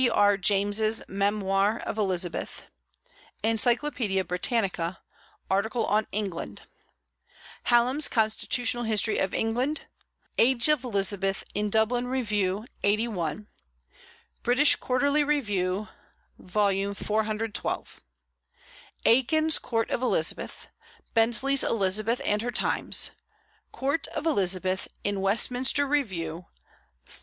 P.R. James's Memoir of Elizabeth; Encyclopaedia Britannica, article on England: Hallam's Constitutional History of England; "Age of Elizabeth," in Dublin Review, lxxxi.; British Quarterly Review, v. 412; Aikin's Court of Elizabeth; Bentley's Elizabeth and her Times; "Court of Elizabeth," in Westminster Review, xxix.